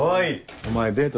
お前デート